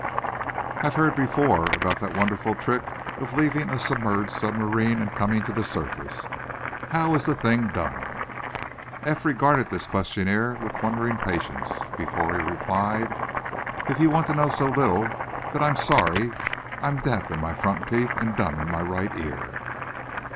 "I've heard before about that wonderful trick of leaving a submerged submarine, and coming to the surface. How is the thing done?" Eph regarded this questioner with wondering patience, before he replied: "You want to know so little that I'm sorry I'm deaf in my front teeth and dumb in my right ear."